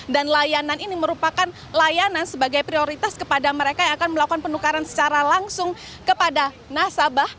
dan layanan ini merupakan layanan sebagai prioritas kepada mereka yang akan melakukan penukaran secara langsung kepada nasabah